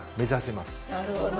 なるほどね。